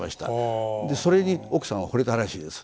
それに奥さんは惚れたらしいです。